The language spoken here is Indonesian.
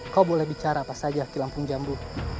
kau boleh bicara apa saja kilampung jambu